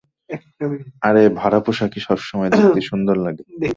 আরে ভাড়া পোশাকে সবসময় দেখতে সুন্দর লাগে।